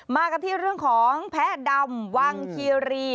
มากันที่เรื่องของแพ้ดำวังคีรี